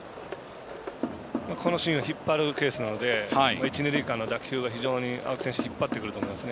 このシーンは引っ張るケースなので一、二塁間の打球は青木選手引っ張ってくると思います。